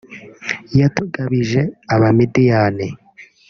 yatugabije abamidiyani